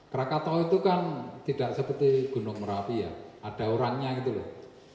krakatau itu kan tidak seperti gunung merapi ya ada orangnya gitu loh